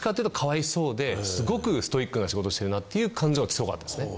ですごくストイックな仕事をしてるなっていう感情が強かったですね。